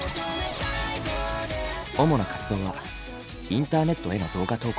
主な活動はインターネットへの動画投稿。